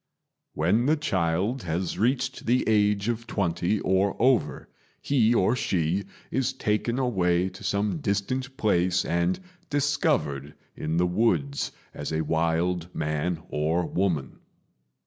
When the child has reached the age of twenty or over, he or she is taken away to some distant place and 'discovered' in the woods as a wild man or woman."